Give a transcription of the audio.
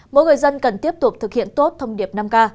mỗi người dân cần tiếp tục thực hiện tốt thông điệp năm k